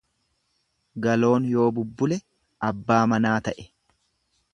Galoon yoo bubbule abbaa manaa ta'e.